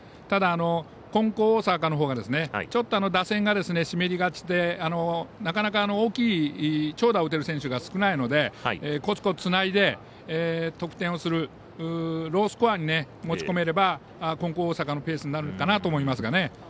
ただ、金光大阪のほうがちょっと打線が湿りがちで、なかなか大きい長打を打てる選手が少ないので、コツコツつないで得点をするロースコアに持ち込めれば金光大阪のペースになるのかなと思います。